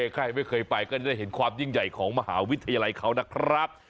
ใครไม่เคยไปก็จะเห็นความยิ่งใหญ่ของมหาวิทยาลัยเขานะครับ